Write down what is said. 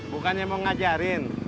bukannya mau ngajarin